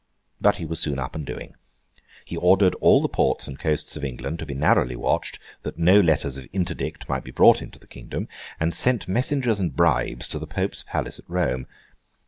But he was soon up and doing. He ordered all the ports and coasts of England to be narrowly watched, that no letters of Interdict might be brought into the kingdom; and sent messengers and bribes to the Pope's palace at Rome.